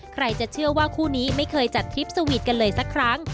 ใครจะเชื่อว่าคู่นี้ไม่เคยจัดทริปสวีทกันเลยสักครั้ง